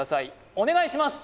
お願いします